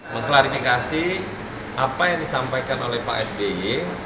mengklarifikasi apa yang disampaikan oleh pak sby